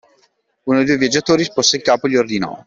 Uno dei due viaggiatori sporse il capo e gli ordinò.